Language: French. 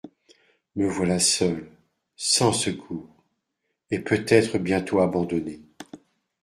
Me voilà seule, sans secours… et peut-être bientôt abandonnée.